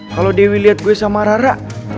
kalo dewi liat gue sama rara